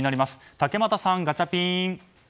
竹俣さん、ガチャピン！